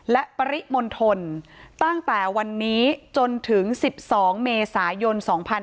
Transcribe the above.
และปริมณฑลตั้งแต่วันนี้จนถึง๑๒เมษายน๒๕๕๙